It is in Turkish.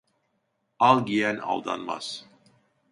Al giyen aldanmaz.